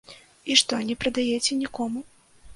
І што не прадаеце нікому?